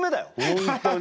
本当に。